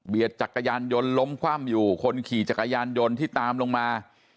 จักรยานยนต์ล้มคว่ำอยู่คนขี่จักรยานยนต์ที่ตามลงมา